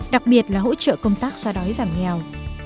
đặc biệt là hỗ trợ công tác xóa đói giảm nghèo